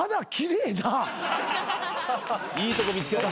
いいとこ見つけた。